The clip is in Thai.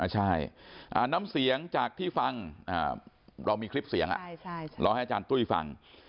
ใช่น้ำเสียงจากที่ฟังเรามีคลิปเสียงรอให้อาจารย์ตุ้ยฟัง